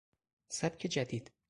سبک جدید